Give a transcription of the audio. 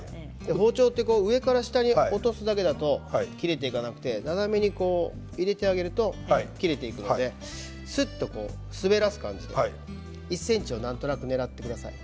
包丁は上から下に置くだけだと切れていかなくて斜めに入れてあげると切れていきますのですっと滑らす感じで１ｃｍをなんとなくねらってください。